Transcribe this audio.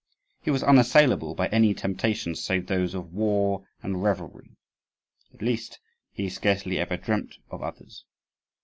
He was unassailable by any temptations save those of war and revelry; at least, he scarcely ever dreamt of others.